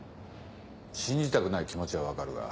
信じたくない気持ちは分かるが。